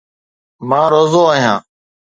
مان روزو آهيان